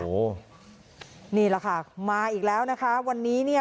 โอ้โหนี่แหละค่ะมาอีกแล้วนะคะวันนี้เนี่ย